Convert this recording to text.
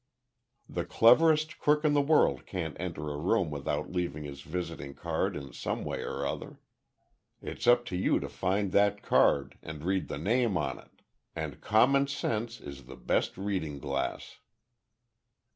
The cleverest crook in the world can't enter a room without leaving his visiting card in some way or other. It's up to you to find that card and read the name on it. And common sense is the best reading glass."